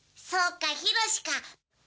そうか、ひろしか。